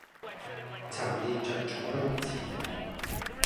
沉澱著彩虹似的夢